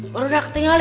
baru udah ketinggalan